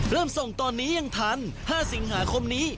เริ่มส่งตอนนี้ยังทัน๕สิงหาคมนี้